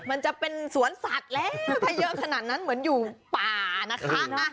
มันจะเป็นสวนสัตว์แล้วถ้าเยอะขนาดนั้นเหมือนอยู่ป่านะคะ